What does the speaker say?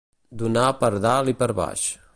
Donar per dalt i per baix.